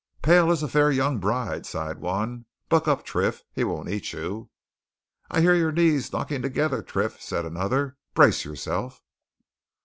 "Pale as a fair young bride!" sighed one. "Buck up, Triff! he won't eat you." "I hear your knees knocking together, Triff," said another. "Brace yourself!"